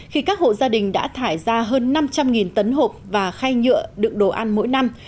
khi các hộ gia đình đã thải ra hơn năm trăm linh tấn hộp và khay nhựa đựng đồ ăn mỗi năm